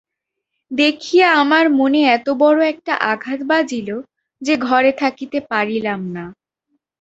দেখিয়া আমার মনে এতবড়ো একটা আঘাত বাজিল যে ঘরে থাকিতে পারিলাম না।